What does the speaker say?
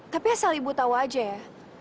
tapi asal ibu tahu aja ya